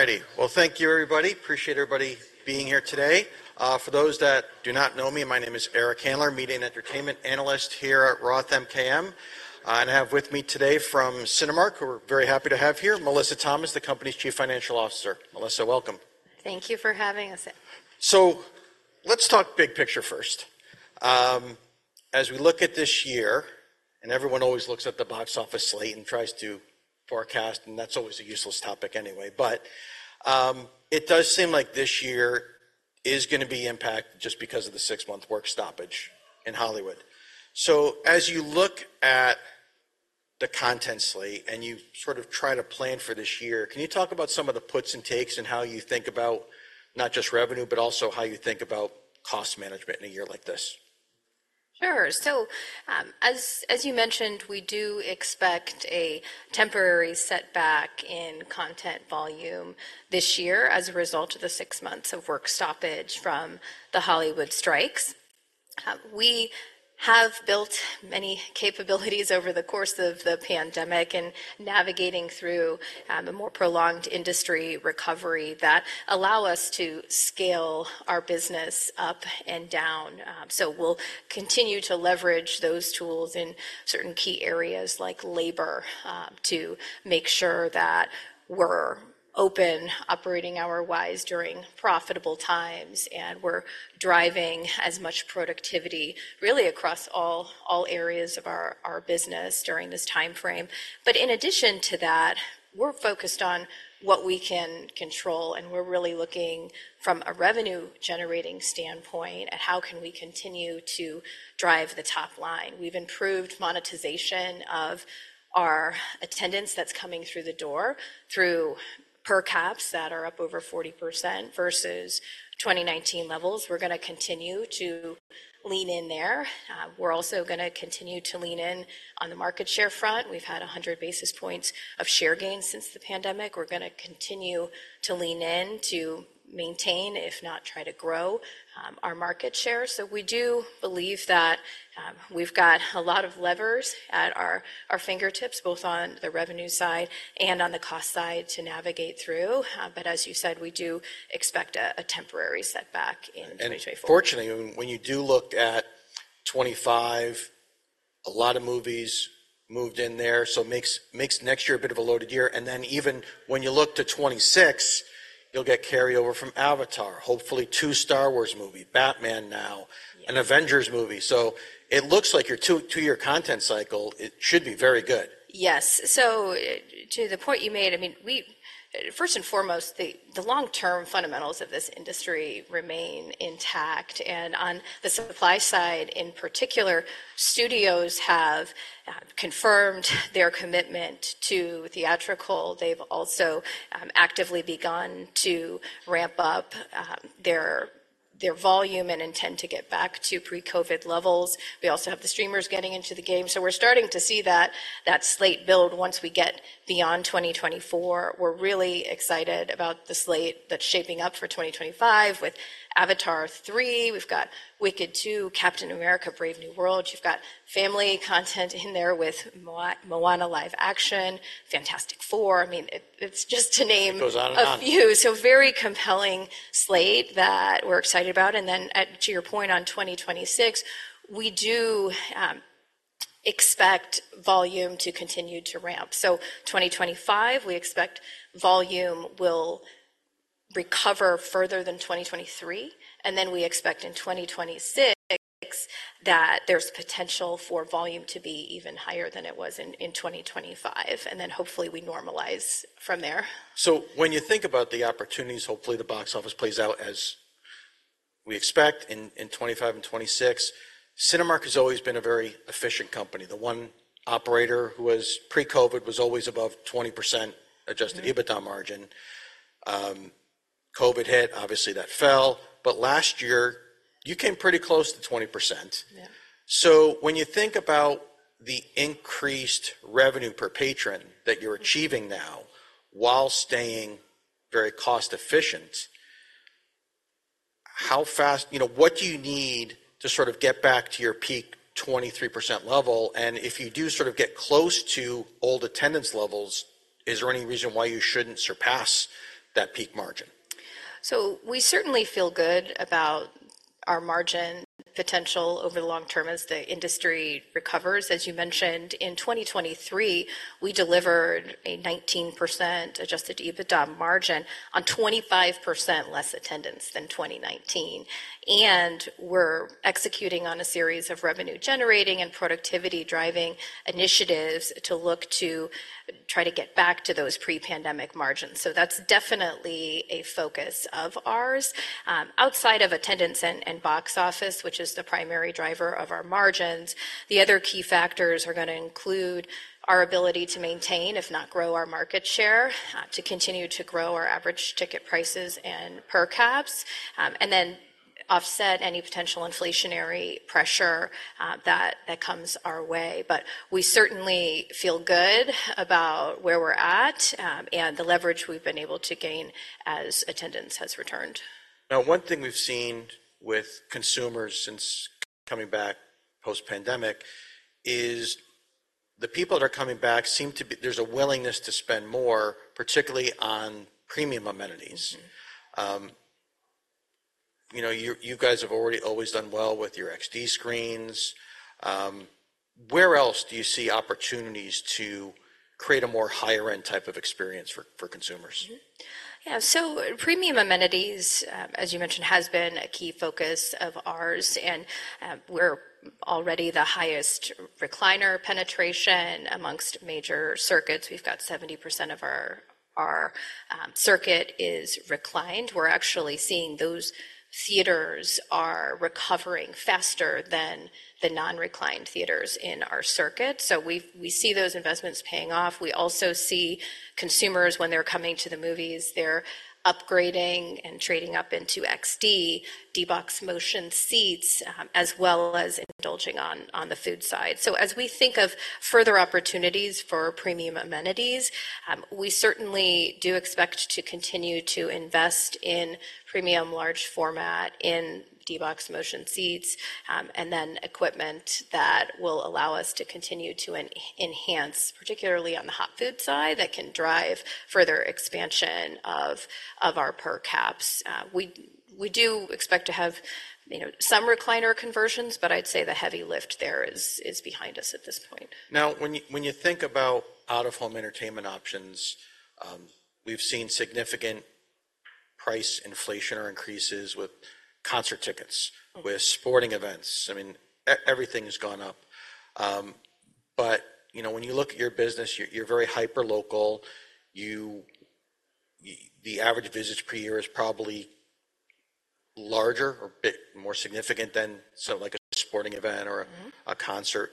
All righty. Well, thank you, everybody. Appreciate everybody being here today. For those that do not know me, my name is Eric Handler, Media and Entertainment Analyst here at Roth MKM. I have with me today from Cinemark, who we're very happy to have here, Melissa Thomas, the company's Chief Financial Officer. Melissa, welcome. Thank you for having us. So let's talk big picture first. As we look at this year, and everyone always looks at the box office slate and tries to forecast, and that's always a useless topic anyway. But, it does seem like this year is gonna be impacted just because of the six-month work stoppage in Hollywood. So as you look at the content slate, and you sort of try to plan for this year, can you talk about some of the puts and takes in how you think about not just revenue, but also how you think about cost management in a year like this? Sure. So, as you mentioned, we do expect a temporary setback in content volume this year as a result of the six months of work stoppage from the Hollywood strikes. We have built many capabilities over the course of the pandemic and navigating through a more prolonged industry recovery that allow us to scale our business up and down. So we'll continue to leverage those tools in certain key areas, like labor, to make sure that we're open operating hour-wise during profitable times, and we're driving as much productivity, really across all areas of our business during this timeframe. But in addition to that, we're focused on what we can control, and we're really looking from a revenue-generating standpoint at how can we continue to drive the top line. We've improved monetization of our attendance that's coming through the door through per caps that are up over 40% versus 2019 levels. We're gonna continue to lean in there. We're also gonna continue to lean in on the market share front. We've had 100 basis points of share gains since the pandemic. We're gonna continue to lean in to maintain, if not try to grow, our market share. So we do believe that, we've got a lot of levers at our, our fingertips, both on the revenue side and on the cost side, to navigate through. But as you said, we do expect a temporary setback in 2024. And fortunately, when you do look at 2025, a lot of movies moved in there, so it makes next year a bit of a loaded year. And then even when you look to 2026, you'll get carryover from Avatar, hopefully two Star Wars movies, Batman now- Yeah. An Avengers movie. So it looks like your two, two-year content cycle, it should be very good. Yes. So, to the point you made, I mean, we first and foremost, the long-term fundamentals of this industry remain intact. And on the supply side, in particular, studios have confirmed their commitment to theatrical. They've also actively begun to ramp up their volume and intend to get back to pre-COVID levels. We also have the streamers getting into the game, so we're starting to see that slate build once we get beyond 2024. We're really excited about the slate that's shaping up for 2025 with Avatar Three. We've got Wicked Two, Captain America: Brave New World. You've got family content in there with Moana live action, Fantastic Four. I mean, it's just to name- It goes on and on.... a few. So a very compelling slate that we're excited about. And then, to your point on 2026, we do expect volume to continue to ramp. So 2025, we expect volume will recover further than 2023, and then we expect in 2026 that there's potential for volume to be even higher than it was in 2025, and then hopefully we normalize from there. So when you think about the opportunities, hopefully, the box office plays out as we expect in, in 2025 and 2026. Cinemark has always been a very efficient company. The one operator who was pre-COVID was always above 20% Adjusted EBITDA margin. COVID hit, obviously, that fell, but last year you came pretty close to 20%. Yeah. When you think about the increased revenue per patron that you're achieving now while staying very cost-efficient, how fast, you know, what do you need to sort of get back to your peak 23% level? And if you do sort of get close to old attendance levels, is there any reason why you shouldn't surpass that peak margin? So we certainly feel good about our margin potential over the long term as the industry recovers. As you mentioned, in 2023, we delivered a 19% Adjusted EBITDA margin on 25% less attendance than 2019. We're executing on a series of revenue-generating and productivity-driving initiatives to look to try to get back to those pre-pandemic margins. That's definitely a focus of ours. Outside of attendance and box office, which is the primary driver of our margins, the other key factors are gonna include our ability to maintain, if not grow, our market share, to continue to grow our average ticket prices and per caps, and then offset any potential inflationary pressure that comes our way. We certainly feel good about where we're at, and the leverage we've been able to gain as attendance has returned. Now, one thing we've seen with consumers since coming back post-pandemic is the people that are coming back seem to be. There's a willingness to spend more, particularly on premium amenities. You know, you guys have already always done well with your XD screens. Where else do you see opportunities to create a more higher-end type of experience for consumers? Mm-hmm. Yeah, so premium amenities, as you mentioned, has been a key focus of ours, and we're already the highest recliner penetration among major circuits. We've got 70% of our circuit is reclined. We're actually seeing those theaters are recovering faster than the non-reclined theaters in our circuit, so we see those investments paying off. We also see consumers, when they're coming to the movies, they're upgrading and trading up into XD, D-BOX motion seats, as well as indulging on the food side. So as we think of further opportunities for premium amenities, we certainly do expect to continue to invest in premium large format, in D-BOX motion seats, and then equipment that will allow us to continue to enhance, particularly on the hot food side, that can drive further expansion of our per caps. We do expect to have, you know, some recliner conversions, but I'd say the heavy lift there is behind us at this point. Now, when you think about out-of-home entertainment options, we've seen significant price inflation or increases with concert tickets with sporting events. I mean, everything has gone up. But, you know, when you look at your business, you're very hyper local. You the average visits per year is probably larger or a bit more significant than, so like a sporting event or a concert.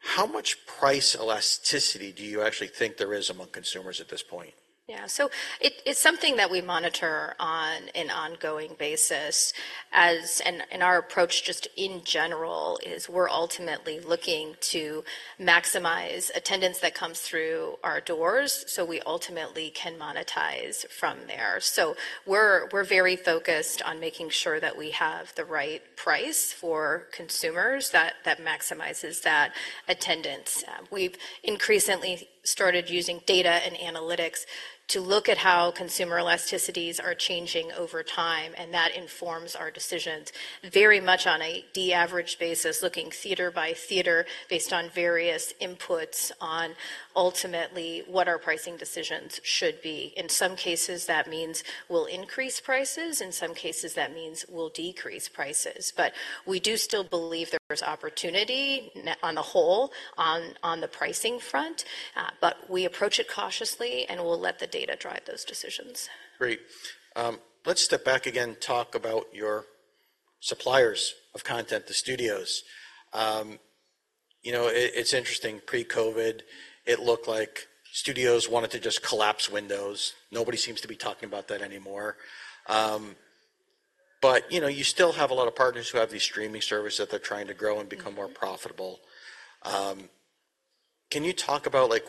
How much price elasticity do you actually think there is among consumers at this point? Yeah, so it's something that we monitor on an ongoing basis. And our approach just in general is, we're ultimately looking to maximize attendance that comes through our doors, so we ultimately can monetize from there. So we're very focused on making sure that we have the right price for consumers that maximizes that attendance. We've increasingly started using data and analytics to look at how consumer elasticities are changing over time, and that informs our decisions very much on a de-averaged basis, looking theater by theater, based on various inputs on ultimately what our pricing decisions should be. In some cases, that means we'll increase prices. In some cases, that means we'll decrease prices. But we do still believe there's opportunity on the whole, on, on the pricing front, but we approach it cautiously, and we'll let the data drive those decisions. Great. Let's step back again and talk about your suppliers of content, the studios. You know, it, it's interesting, pre-COVID, it looked like studios wanted to just collapse windows. Nobody seems to be talking about that anymore. But, you know, you still have a lot of partners who have these streaming services that they're trying to grow and become more profitable. Can you talk about, like,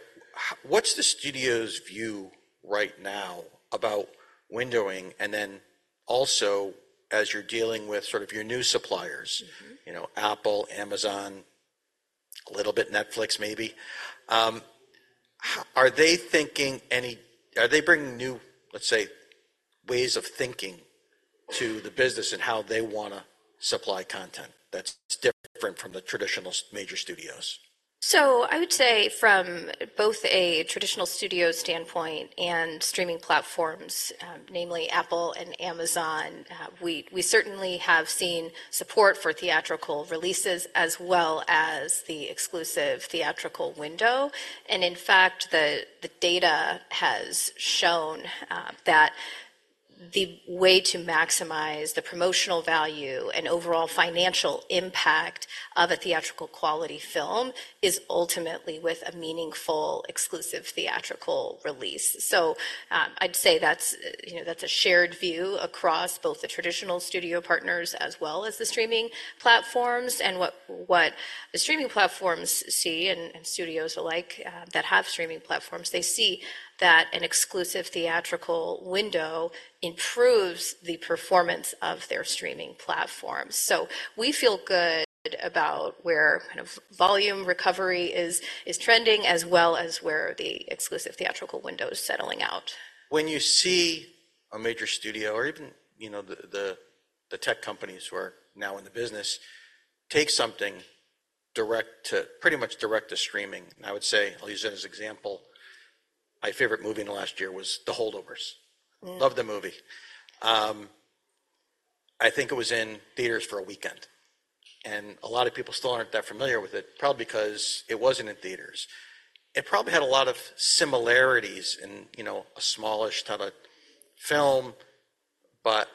what's the studio's view right now about windowing? And then also, as you're dealing with sort of your new suppliers you know, Apple, Amazon, a little bit Netflix maybe, how are they thinking, are they bringing new, let's say, ways of thinking to the business and how they wanna supply content that's different from the traditional major studios? So I would say from both a traditional studio standpoint and streaming platforms, namely Apple and Amazon, we certainly have seen support for theatrical releases as well as the exclusive theatrical window, and in fact, the data has shown that the way to maximize the promotional value and overall financial impact of a theatrical-quality film is ultimately with a meaningful, exclusive theatrical release. So, I'd say that's, you know, that's a shared view across both the traditional studio partners as well as the streaming platforms, and what the streaming platforms see, and studios alike that have streaming platforms, they see that an exclusive theatrical window improves the performance of their streaming platform. So we feel good about where kind of volume recovery is trending, as well as where the exclusive theatrical window is settling out. When you see a major studio or even, you know, the tech companies who are now in the business, take something direct to, pretty much direct to streaming, and I would say... I'll use as an example, my favorite movie in the last year was The Holdovers. Mm. Loved the movie. I think it was in theaters for a weekend, and a lot of people still aren't that familiar with it, probably because it wasn't in theaters. It probably had a lot of similarities in, you know, a smallish type of film, but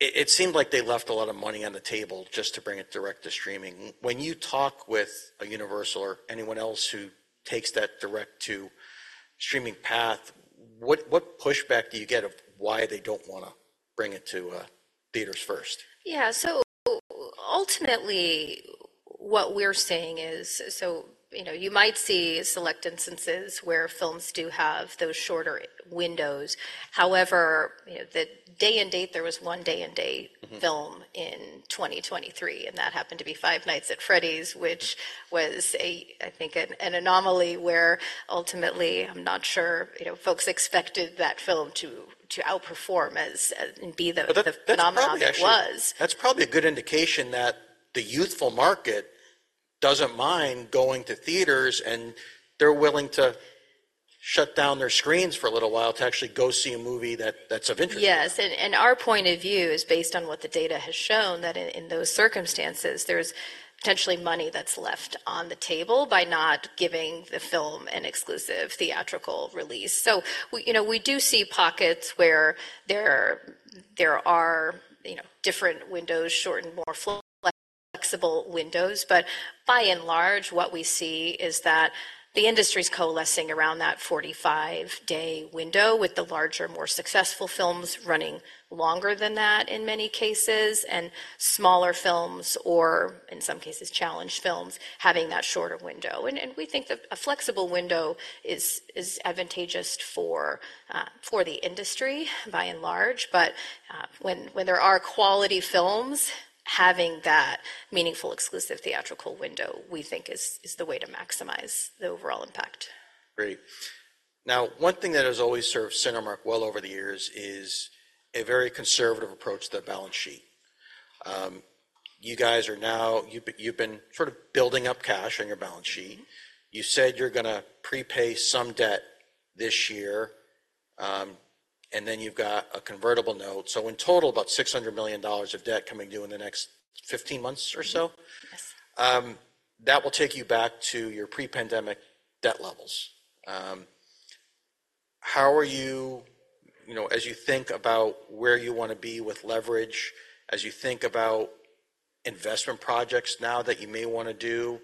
it seemed like they left a lot of money on the table just to bring it direct to streaming. When you talk with Universal or anyone else who takes that direct-to-streaming path, what pushback do you get of why they don't wanna bring it to theaters first? Yeah, so ultimately, what we're saying is, you know, you might see select instances where films do have those shorter windows. However, you know, the day-and-date, there was one day-and-date- Mm-hmm - film in 2023, and that happened to be Five Nights at Freddy's, which was a, I think, an anomaly where ultimately, I'm not sure, you know, folks expected that film to outperform as, and be the- That's probably actually- - phenomenon it was. That's probably a good indication that the youthful market doesn't mind going to theaters, and they're willing to shut down their screens for a little while to actually go see a movie that's of interest to them. Yes, and our point of view is based on what the data has shown, that in those circumstances, there's potentially money that's left on the table by not giving the film an exclusive theatrical release. So we, you know, we do see pockets where there are, you know, different windows, shortened, more flexible windows. But by and large, what we see is that the industry's coalescing around that 45-day window, with the larger, more successful films running longer than that in many cases, and smaller films, or in some cases, challenged films, having that shorter window. And we think that a flexible window is advantageous for the industry, by and large. But when there are quality films, having that meaningful exclusive theatrical window, we think, is the way to maximize the overall impact. Great. Now, one thing that has always served Cinemark well over the years is a very conservative approach to the balance sheet. You guys are now—you've been sort of building up cash on your balance sheet. You said you're gonna prepay some debt this year, and then you've got a convertible note. So in total, about $600 million of debt coming due in the next 15 months or so? Mm-hmm. Yes. That will take you back to your pre-pandemic debt levels. How are you... You know, as you think about where you wanna be with leverage, as you think about investment projects now that you may wanna do,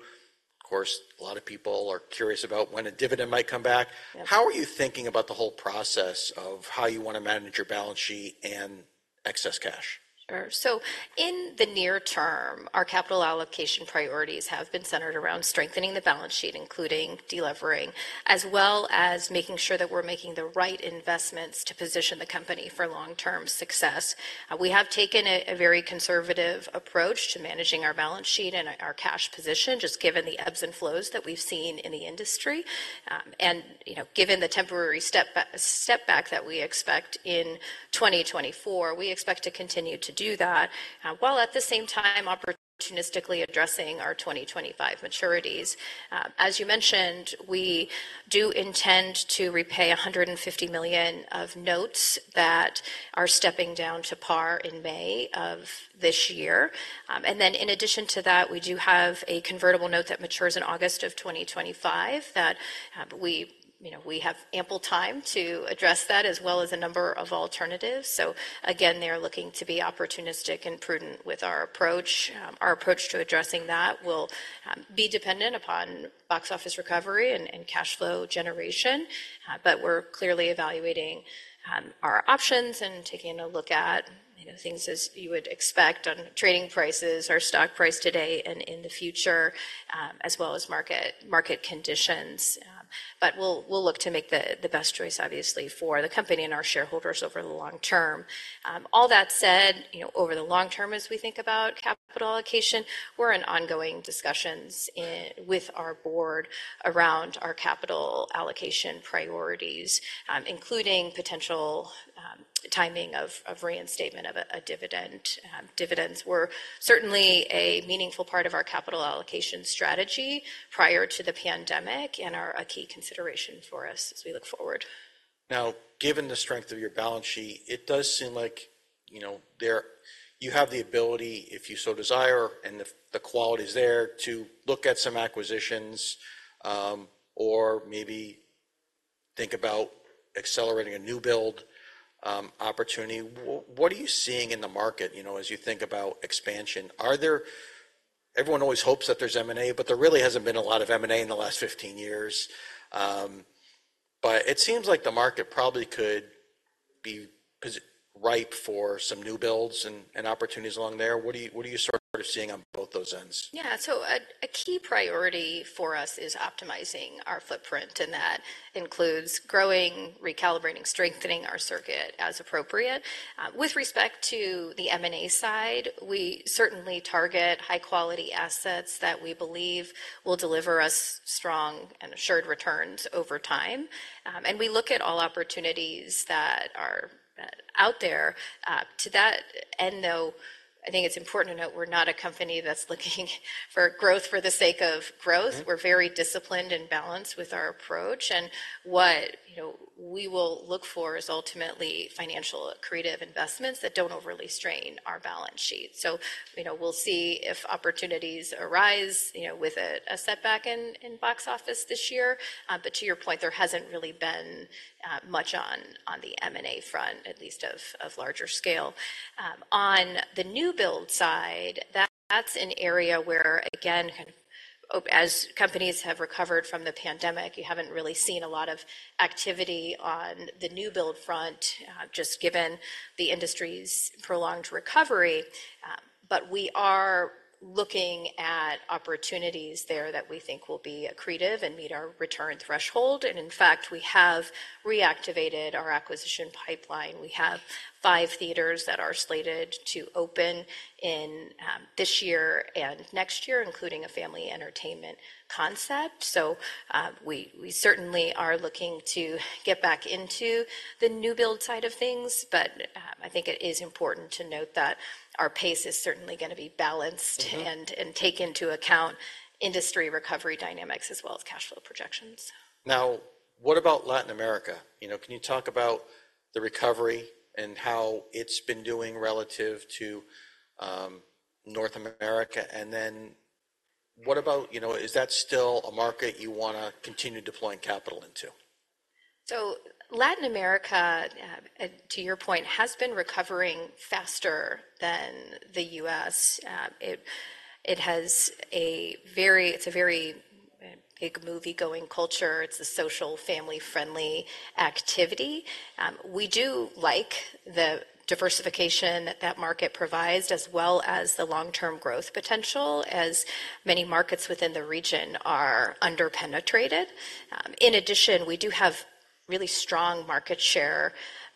of course, a lot of people are curious about when a dividend might come back. Yeah. How are you thinking about the whole process of how you wanna manage your balance sheet and excess cash? Sure. So in the near term, our capital allocation priorities have been centered around strengthening the balance sheet, including de-levering, as well as making sure that we're making the right investments to position the company for long-term success. We have taken a very conservative approach to managing our balance sheet and our cash position, just given the ebbs and flows that we've seen in the industry. And, you know, given the temporary step back that we expect in 2024, we expect to continue to do that, while at the same time, opportunistically addressing our 2025 maturities. As you mentioned, we do intend to repay $150 million of notes that are stepping down to par in May of this year. And then, in addition to that, we do have a convertible note that matures in August of 2025, that we, you know, we have ample time to address that, as well as a number of alternatives. So again, they're looking to be opportunistic and prudent with our approach. Our approach to addressing that will be dependent upon box office recovery and cash flow generation. But we're clearly evaluating our options and taking a look at, you know, things as you would expect on trading prices, our stock price today and in the future, as well as market conditions. But we'll look to make the best choice, obviously, for the company and our shareholders over the long term. All that said, you know, over the long term, as we think about capital allocation, we're in ongoing discussions with our board around our capital allocation priorities, including potential timing of reinstatement of a dividend. Dividends were certainly a meaningful part of our capital allocation strategy prior to the pandemic and are a key consideration for us as we look forward. Now, given the strength of your balance sheet, it does seem like, you know, there you have the ability, if you so desire, and if the quality is there, to look at some acquisitions, or maybe think about accelerating a new build opportunity. What are you seeing in the market, you know, as you think about expansion? Are there... Everyone always hopes that there's M&A, but there really hasn't been a lot of M&A in the last 15 years. But it seems like the market probably could be ripe for some new builds and opportunities along there. What are you sort of seeing on both those ends? Yeah. So a key priority for us is optimizing our footprint, and that includes growing, recalibrating, strengthening our circuit as appropriate. With respect to the M&A side, we certainly target high-quality assets that we believe will deliver us strong and assured returns over time, and we look at all opportunities that are out there. To that end, though, I think it's important to note we're not a company that's looking for growth for the sake of growth. We're very disciplined and balanced with our approach, and, you know, what we will look for is ultimately financial creative investments that don't overly strain our balance sheet. So, you know, we'll see if opportunities arise, you know, with a setback in box office this year. But to your point, there hasn't really been much on the M&A front, at least of larger scale. On the new build side, that's an area where, again, kind of, as companies have recovered from the pandemic, you haven't really seen a lot of activity on the new build front, just given the industry's prolonged recovery. But we are looking at opportunities there that we think will be accretive and meet our return threshold. And in fact, we have reactivated our acquisition pipeline. We have five theaters that are slated to open in this year and next year, including a family entertainment concept. So, we certainly are looking to get back into the new build side of things, but I think it is important to note that our pace is certainly gonna be balanced and take into account industry recovery dynamics as well as cash flow projections. Now, what about Latin America? You know, can you talk about the recovery and how it's been doing relative to North America? And then what about, you know, is that still a market you wanna continue deploying capital into? So Latin America, to your point, has been recovering faster than the U.S. It has a very—it's a very big movie-going culture. It's a social, family-friendly activity. We do like the diversification that that market provides, as well as the long-term growth potential, as many markets within the region are under-penetrated. In addition, we do have really strong market share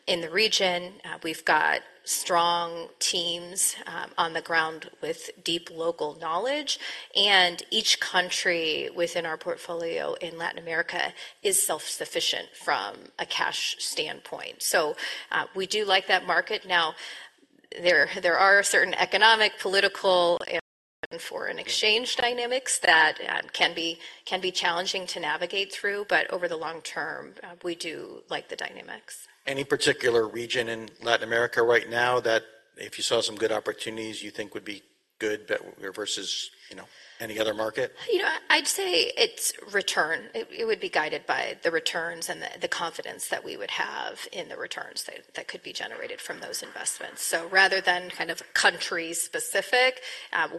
in the region. We've got strong teams on the ground with deep local knowledge, and each country within our portfolio in Latin America is self-sufficient from a cash standpoint. So, we do like that market. Now, there are certain economic, political, and foreign exchange dynamics that can be challenging to navigate through, but over the long term, we do like the dynamics. Any particular region in Latin America right now that if you saw some good opportunities, you think would be good versus, you know, any other market? You know, I'd say it's return. It would be guided by the returns and the confidence that we would have in the returns that could be generated from those investments. So rather than kind of country-specific,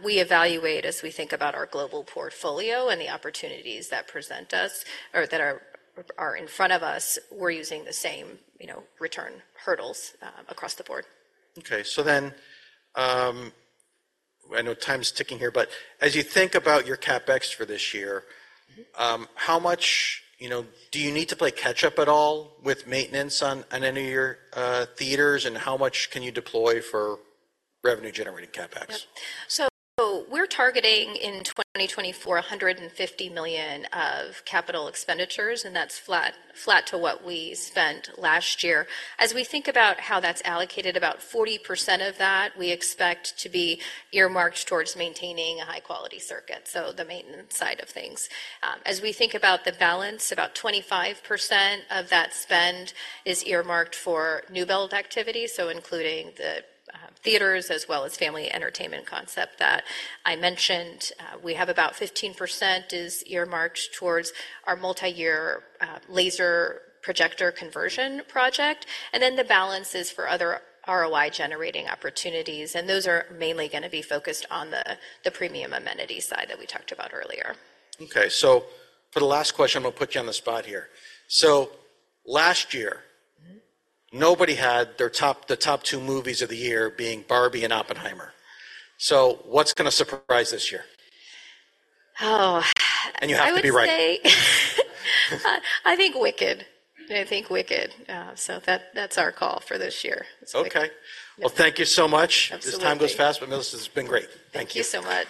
we evaluate as we think about our global portfolio and the opportunities that present us or that are in front of us, we're using the same, you know, return hurdles across the board. Okay. I know time's ticking here, but as you think about your CapEx for this year- how much, you know, do you need to play catch-up at all with maintenance on, on any of your, theaters, and how much can you deploy for revenue-generating CapEx? Yep. So we're targeting, in 2024, $150 million of CapEx, and that's flat, flat to what we spent last year. As we think about how that's allocated, about 40% of that we expect to be earmarked towards maintaining a high-quality circuit, so the maintenance side of things. As we think about the balance, about 25% of that spend is earmarked for new build activity, so including the theaters, as well as family entertainment concept that I mentioned. We have about 15% is earmarked towards our multiyear laser projector conversion project, and then the balance is for other ROI-generating opportunities, and those are mainly gonna be focused on the premium amenities side that we talked about earlier. Okay, so for the last question, I'm gonna put you on the spot here. So last year- Mm-hmm... nobody had their top, the top two movies of the year being Barbie and Oppenheimer. So what's gonna surprise this year? Oh, I would say- And you have to be right. I think Wicked. I think Wicked. So that's our call for this year. It's Wicked. Okay. Yeah. Well, thank you so much. Absolutely. This time goes fast, but Melissa, this has been great. Thank you. Thank you so much.